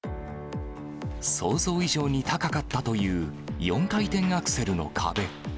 想像以上に高かったという、４回転アクセルの壁。